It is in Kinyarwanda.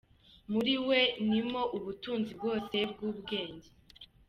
Muri we ni mo ubutunzi bwose bw’ubwenge